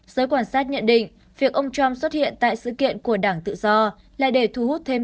giới quan sát nhận định việc ông trump xuất hiện tại sự kiện của đảng tự do là để thu hút thêm